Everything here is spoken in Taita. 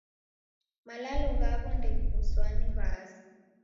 Malalo ghaw'o ghew'uswa ni W'aasi.